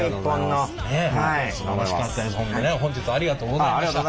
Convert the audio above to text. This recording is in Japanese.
本日ありがとうございました。